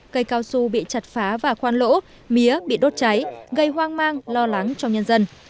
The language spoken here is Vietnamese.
cây cao su bị chặt phá và khoan lỗ mía bị đốt cháy gây hoang mang lo lắng cho nhân dân